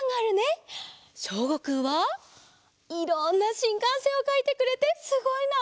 しょうごくんはいろんなしんかんせんをかいてくれてすごいな！